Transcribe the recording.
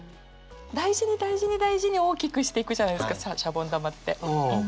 大事に大事に大事に大きくしていくじゃないですかしゃぼん玉って。